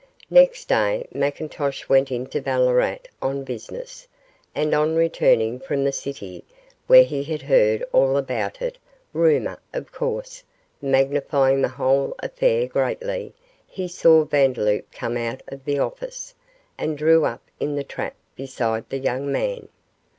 Next day McIntosh went into Ballarat on business, and on returning from the city, where he had heard all about it rumour, of course, magnifying the whole affair greatly he saw Vandeloup come out of the office, and drew up in the trap beside the young man.